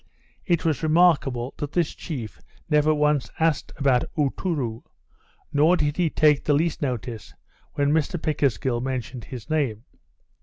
It was remarkable, that this chief never once asked after Aotouroo, nor did he take the least notice when Mr Pickersgill mentioned his name.